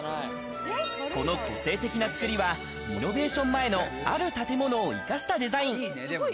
この個性的な作りはリノベーション前のある建物を生かしたデザイン。